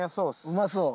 うまそう。